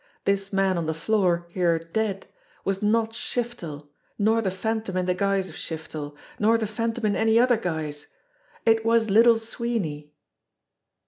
This man on the floor here dead was not Shiftel, nor the Phan tom in the guise of Shiftel, nor the Phantom in any other guise. It was Little Sweeney!